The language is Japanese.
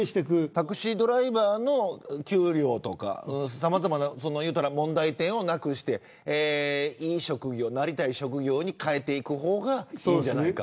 タクシードライバーの給料とかさまざまな問題点をなくしてなりたい職業に変えていく方がいいんじゃないか。